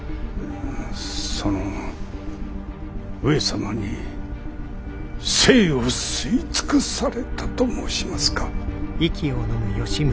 その上様に精を吸い尽くされたと申しますか。